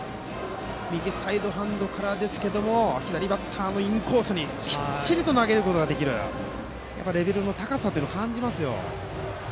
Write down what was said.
右サイドハンドからですけれども左バッターのインコースにきっちり投げることができるレベルの高さを感じますよ。